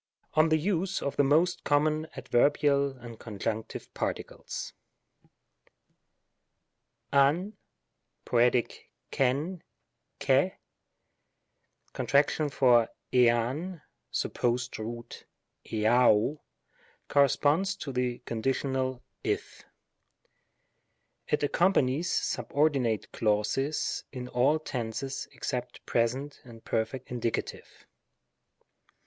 Ok the use of the most common Adveebial AND Conjunctive Paetioles. av (poet. X8V, xs)y cont. for iav (supposed root, ha(S)y corresponds to the conditional (^/'). It accompa nies subordinate clauses in all tenses except Pres. and Perf. Indie.